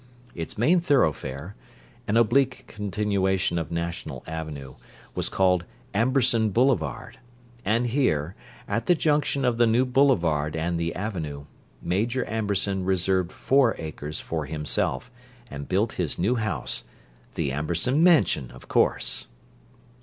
Its main thoroughfare, an oblique continuation of National Avenue, was called Amberson Boulevard, and here, at the juncture of the new Boulevard and the Avenue, Major Amberson reserved four acres for himself, and built his new house—the Amberson Mansion, of course.